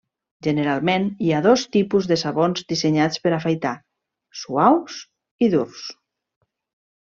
Generalment, hi ha dos tipus de sabons dissenyats per afaitar: suaus i durs.